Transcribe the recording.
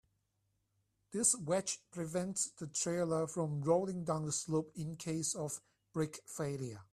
This wedge prevents the trailer from rolling down the slope in case of brake failure.